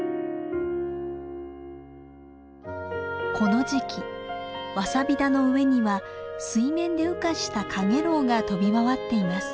この時期ワサビ田の上には水面で羽化したカゲロウが飛び回っています。